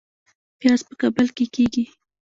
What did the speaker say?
پیاز په کابل کې کیږي